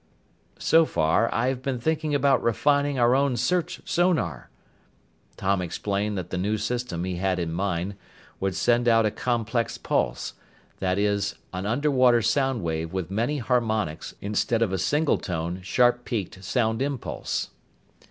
"So far, I have been thinking about refining our own search sonar." Tom explained that the new system he had in mind would send out a complex pulse that is, an underwater sound wave with many harmonics instead of a single tone, sharp peaked sound impulse.